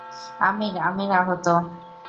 আমির, আমির আহত।